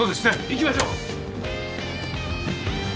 行きましょう！